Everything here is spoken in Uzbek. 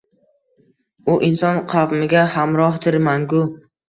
U inson qavmiga hamrohdir mangu.